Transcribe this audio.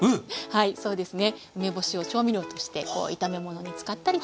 はいそうですね。